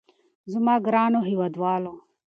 زما ګرانو هېوادوالو.